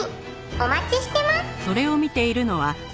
お待ちしてます」